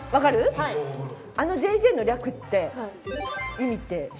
あの『ＪＪ』の略って意味って知ってる？